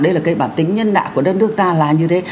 đấy là cái bản tính nhân đạo của đất nước ta là như thế